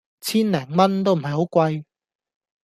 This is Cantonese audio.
千零蚊都唔係好貴